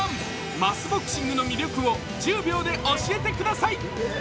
マスボクシングの魅力を１０秒で教えてください。